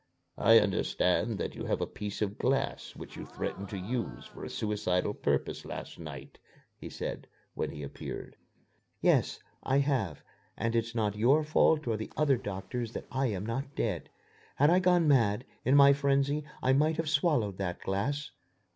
"I understand that you have a piece of glass which you threatened to use for a suicidal purpose last night," he said, when he appeared. "Yes, I have, and it's not your fault or the other doctor's that I am not dead. Had I gone mad, in my frenzy I might have swallowed that glass."